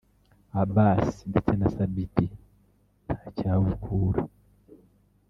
Abbas ndetse na Sabiti Ntacyabukura